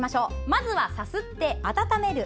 まずはさすって温める。